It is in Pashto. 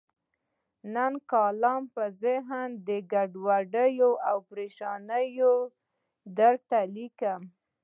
نننۍ کالم په ذهني ګډوډۍ او پریشانۍ کې درته لیکم.